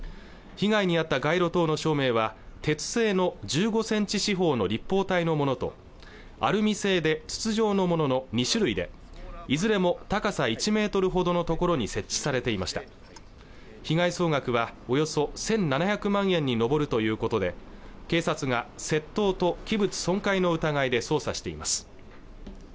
被害にあった街路灯の照明は鉄製の１５センチ四方の立方体のものとアルミ製で筒状のものの２種類でいずれも高さ１メートルほどのところに設置されていました被害総額はおよそ１７００万円に上るということで警察が窃盗と器物損壊の疑いで捜査しています